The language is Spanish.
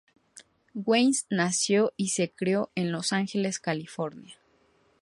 Weiss nació y se crio en Los Ángeles, California.